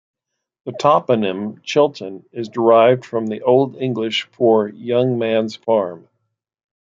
The toponym "Chilton" is derived from the Old English for "young man's farm".